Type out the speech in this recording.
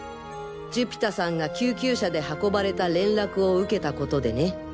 寿飛太さんが救急車で運ばれた連絡を受けたことでね。